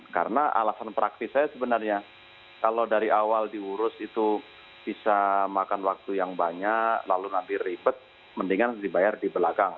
karena alasan praktis saya sebenarnya kalau dari awal diurus itu bisa makan waktu yang banyak lalu nanti ribet mendingan dibayar di belakang